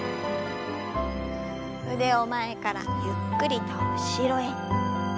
腕を前からゆっくりと後ろへ。